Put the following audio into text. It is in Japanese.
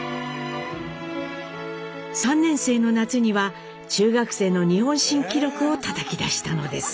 ３年生の夏には中学生の日本新記録をたたき出したのです。